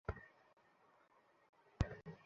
তোর বাবা মেয়েটাকে অপহরণ করতে বলেছে।